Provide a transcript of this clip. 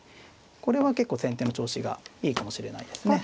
これは結構先手の調子がいいかもしれないですね。